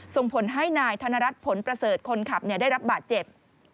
ส่งผลให้นายธนรัฐผลประเสริฐคนขับได้รับบาดเจ็บ